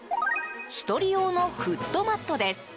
１人用のフットマットです。